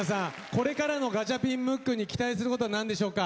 これからのガチャピン・ムックに期待することは何でしょうか？